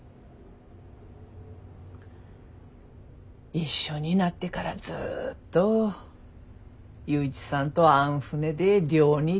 一緒になってからずっと雄一さんとあん船で漁に出とったけん。